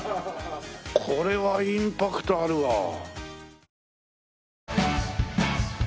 これはインパクトあるわ。